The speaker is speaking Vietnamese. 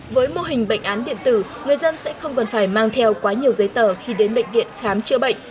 với mô hình bệnh án điện tử người dân sẽ không cần phải mang theo quá nhiều giấy tờ khi đến bệnh viện khám chữa bệnh